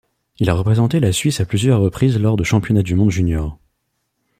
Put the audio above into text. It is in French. Il a représenté la Suisse à plusieurs reprises lors de championnats du monde juniors.